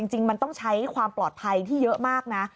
จริงมันต้องใช้ความปลอดภัยที่เยอะมากนะ